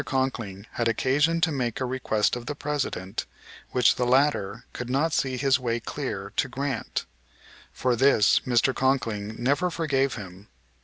Conkling had occasion to make a request of the President which the latter could not see his way clear to grant. For this Mr. Conkling never forgave him.